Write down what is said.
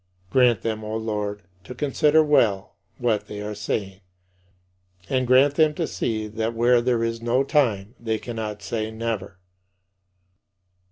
Grant them, O Lord, to consider well what they are saying; and grant them to see that where there is no time they cannot say "never."